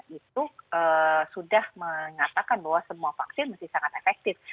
itu sudah mengatakan bahwa semua vaksin masih sangat efektif